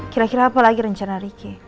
kira kira apa lagi rencana ricky